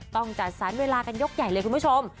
ต้องจัดสรรเวลากันยกใหญ่เลยคุณผู้ชม